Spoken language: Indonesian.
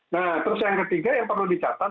nah terus yang ketiga yang perlu dicatat